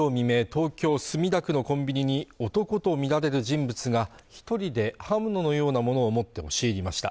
東京墨田区のコンビニに男と見られる人物が一人で刃物のようなものを持って押し入りました